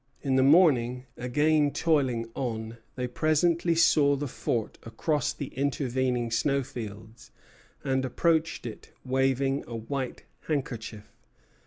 In the morning, again toiling on, they presently saw the fort across the intervening snowfields, and approached it, waving a white handkerchief.